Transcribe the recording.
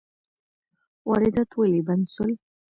واردات ولي بند سول؟